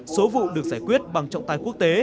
số vụ được giải quyết bằng trọng tài quốc tế